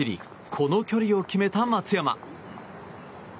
この距離を決めた松山。